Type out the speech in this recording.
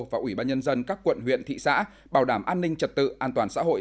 và ubnd các quận huyện thị xã bảo đảm an ninh trật tự an toàn xã hội